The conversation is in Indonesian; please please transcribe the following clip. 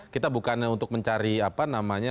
kita bukannya untuk mencari apa namanya